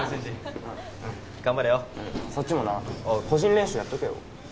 そっちもなあっ個人練習やっとけよ